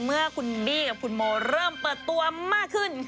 เมื่อคุณบี้กับคุณโมเริ่มเปิดตัวมากขึ้น